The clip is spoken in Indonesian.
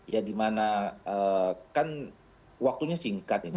ya dimana kan waktunya singkat ini